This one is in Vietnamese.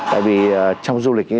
tại vì trong du lịch